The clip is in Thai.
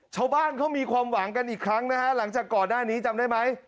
ชาวบ้านเขามีความหวังกันอีกครั้งนะฮะหลังจากก่อนหน้านี้จำได้ไหม